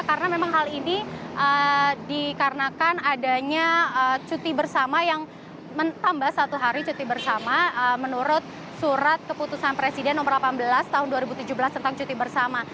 karena memang hal ini dikarenakan adanya cuti bersama yang menambah satu hari cuti bersama menurut surat keputusan presiden nomor delapan belas tahun dua ribu tujuh belas tentang cuti bersama